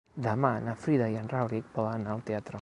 Demà na Frida i en Rauric volen anar al teatre.